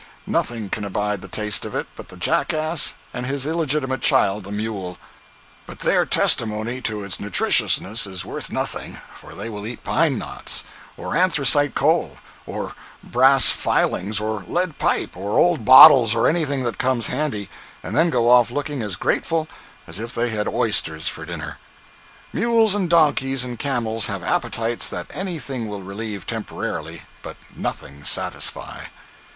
Nothing can abide the taste of it but the jackass and his illegitimate child the mule. But their testimony to its nutritiousness is worth nothing, for they will eat pine knots, or anthracite coal, or brass filings, or lead pipe, or old bottles, or anything that comes handy, and then go off looking as grateful as if they had had oysters for dinner. Mules and donkeys and camels have appetites that anything will relieve temporarily, but nothing satisfy.